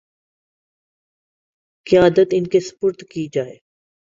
قیادت ان کے سپرد کی جائے